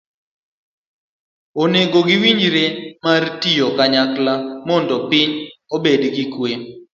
Onego giwinjre mar tiyo kanyakla mondo piny obed gi kwe.